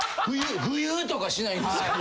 浮遊とかしないんですか。